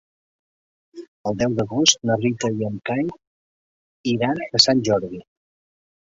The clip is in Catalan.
El deu d'agost na Rita i en Cai iran a Sant Jordi.